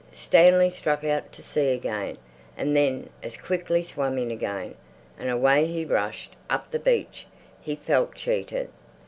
Stanley struck out to sea again, and then as quickly swam in again, and away he rushed up the beach. He felt cheated.